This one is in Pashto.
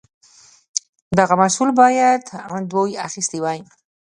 دغه محصول باید دوی اخیستی وای.